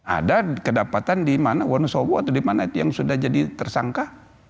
ada kedapatan di mana wonosobo atau di mana itu yang sudah jadi tersangka